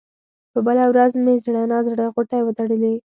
په بله ورځ مې زړه نا زړه غوټې وتړلې.